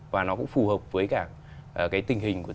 và nó cũng phù hợp với cả